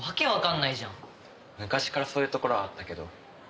昔からそういうところはあったけど。